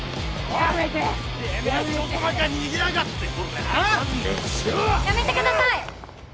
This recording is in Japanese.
・やめてください！